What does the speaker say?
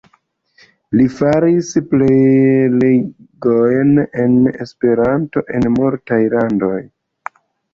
Li faris prelegojn pri Esperanto en multaj rondoj.